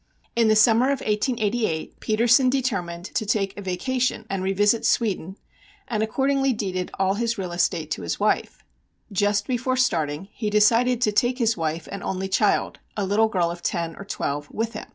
In the summer of 1888 Petersen determined to take a vacation and revisit Sweden, and accordingly deeded all his real estate to his wife. Just before starting he decided to take his wife and only child, a little girl of ten or twelve, with him.